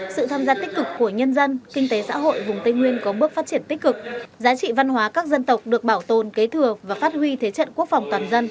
sự tham gia tích cực của nhân dân kinh tế xã hội vùng tây nguyên có bước phát triển tích cực giá trị văn hóa các dân tộc được bảo tồn kế thừa và phát huy thế trận quốc phòng toàn dân